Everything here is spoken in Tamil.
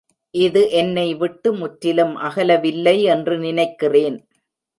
இது என்னை விட்டு முற்றிலும் அகல வில்லை என்று நினைக்கிறேன்.